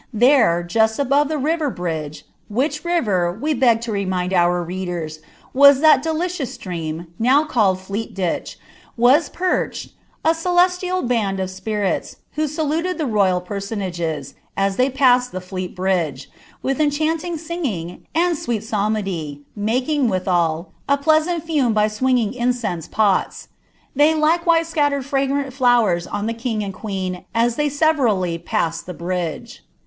That, just above the river bridge, — which river, we beg to remind our m^tn, was that delicious stream, now called Fleet ditch, — was perched i celestial banil of spirits, who saluted the royal personages, as An passed the Flele bridge, with enchanting singing, and sweei psalmudy, making, withal, a pleasant fume by swinging incense potn ; tliey Gk^ wise scattered fragrant flowers on the king and queen as they sevctiUf passed the bridge."